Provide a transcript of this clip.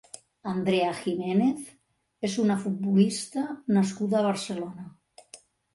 Andrea Giménez és una futbolista nascuda a Barcelona.